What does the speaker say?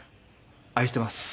愛しています。